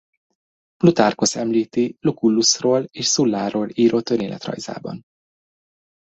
Plutarkhosz említi Lucullusról és Sulláról írott életrajzában.